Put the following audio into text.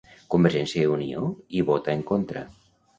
Convergiència i Unió hi vota en contra.